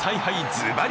ズバリ！